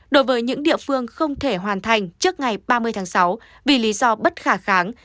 đối với những địa phương không thể hoàn thành trước ngày ba mươi tháng sáu vì lý do bất khả kháng